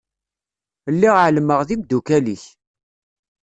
Lliɣ εelmeɣ d imdukal-ik.